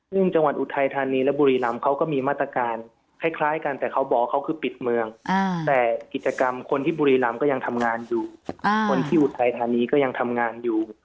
ซึ่งจังหวัดอุทัยธานีและบุรีรำเขาก็มีมาตรการคล้ายกันแต่เขาบอกเขาคือปิดเมืองแต่กิจกรรมคนที่บุรีรำก็ยังทำงานอยู่คนที่อุทัยธานีก็ยังทำงานอยู่